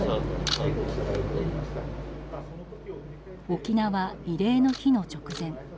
沖縄慰霊の日の直前。